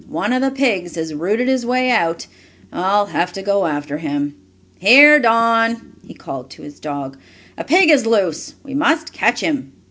"One of the pigs has rooted his way out. I'll have to go after him. Here, Don!" he called to his dog. "A pig is loose! We must catch him!"